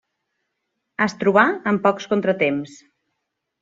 Es trobà amb pocs contratemps.